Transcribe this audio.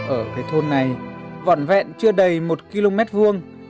ở cái thôn này vỏn vẹn chưa đầy một km vuông